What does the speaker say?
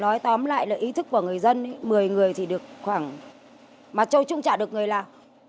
nói tóm lại là ý thức của người dân một mươi người thì được khoảng mà châu trung trả được người làm